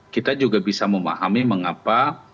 kita juga bisa memahami mengapa